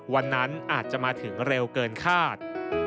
วันนั้นอาจจะมาถึงเร็วเกินคาด